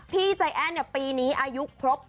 พี่เจ๋นปีนี้อายุครบ